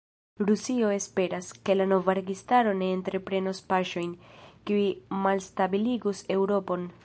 Rusio esperas, ke la nova registaro ne entreprenos paŝojn, kiuj malstabiligus Eŭropon.